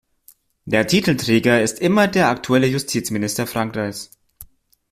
Der Titelträger ist immer der aktuelle Justizminister Frankreichs.